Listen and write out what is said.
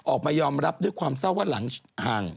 ออกมายอมรับด้วยความเศร้าว่าหลังห่าง